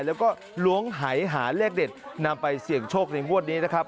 แล้วก็ล้วงหายหาเลขเด็ดนำไปเสี่ยงโชคในงวดนี้นะครับ